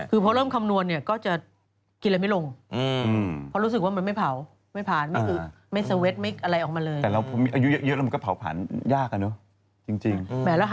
อืมกินสำลีอ่ะเบา